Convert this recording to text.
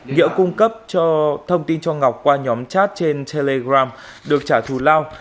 nghĩa cung cấp cho thông tin cho ngọc qua nhóm chat trên telegram được trả thù lao